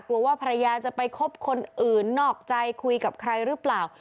ว่าภรรยาจะไปคบคนอื่นนอกใจคุยกับใครหรือเปล่า